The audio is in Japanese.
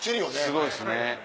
すごいですね。